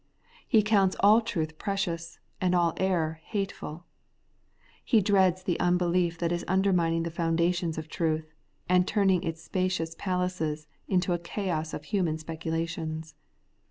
He counts all truth precious, and all error hatefuL He dreads the unbelief that is undermining the foundations of truth, and turning its spacious palaces into a chaos of human speculations.